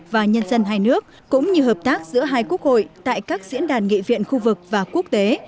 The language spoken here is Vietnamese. và nhân dân hai nước cũng như hợp tác giữa hai quốc hội tại các diễn đàn nghị viện khu vực và quốc tế